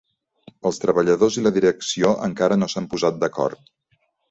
Els treballadors i la direcció encara no s'han posat d'acord.